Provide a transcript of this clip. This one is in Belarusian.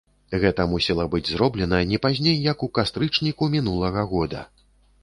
Гэта мусіла быць зроблена не пазней як у кастрычніку мінулага года.